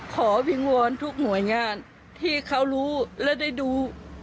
วิงวอนทุกหน่วยงานที่เขารู้และได้ดู